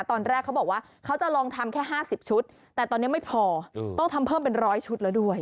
ตอนแรกเขาบอกว่าเขาจะลองทำแค่๕๐ชุดแต่ตอนนี้ไม่พอต้องทำเพิ่มเป็น๑๐๐ชุดแล้วด้วย